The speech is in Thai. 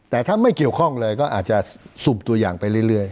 แต่ถ้าไม่เกี่ยวข้องเลยก็อาจจะสุ่มตัวอย่างไปเรื่อย